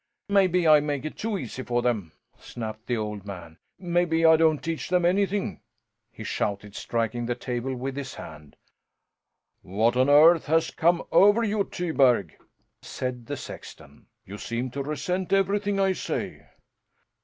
"Maybe I make it too easy for them?" snapped the old man. "Maybe I don't teach them anything?" he shouted, striking the table with his hand. "What on earth has come over you, Tyberg?" said the sexton. "You seem to resent everything I say."